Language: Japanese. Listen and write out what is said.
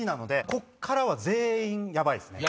こっからは全員ヤバいですね。